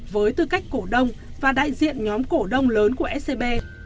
với tư cách cổ đông và đại diện nhóm cổ đông lớn của scb